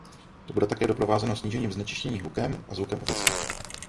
To bude také doprovázeno snížením znečištění hlukem a zvukem obecně.